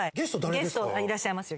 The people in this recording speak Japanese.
ゲストいらっしゃいますよ